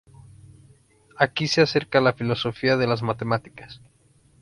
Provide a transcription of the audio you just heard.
Aquí se acerca a la filosofía de las matemáticas.